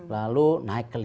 lalu naik ke lima